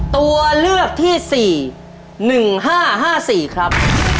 ตัวเลือกที่๔๑๕๕๔ครับ